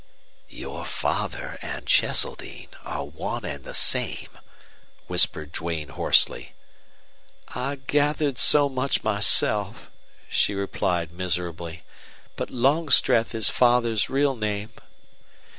"Your father and Cheseldine are one and the same," whispered Duane, hoarsely. "I gathered so much myself," she replied, miserably. "But Longstreth is father's real name."